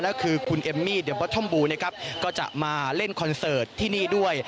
ก็คือคุณเอมมี่เดอร์ทอมบูนะครับก็จะมาเล่นคอนเสิร์ตที่นี่ด้วย